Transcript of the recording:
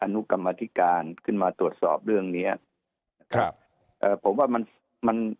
นุกรรมธิการขึ้นมาตรวจสอบเรื่องเนี้ยนะครับเอ่อผมว่ามันมัน